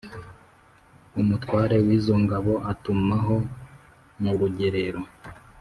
umutware wizo ngabo atumaho murugerero